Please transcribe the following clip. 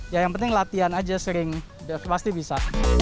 ya yang penting latihan aja sering pasti bisa